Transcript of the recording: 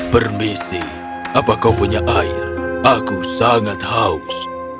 permisi apa kau punya air aku sangat haus